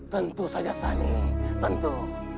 tentu saja sani tentu